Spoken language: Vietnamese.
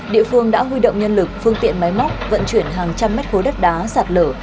địa phương đã huy động nhân lực phương tiện máy móc vận chuyển hàng trăm mét khối đất đá sạt lở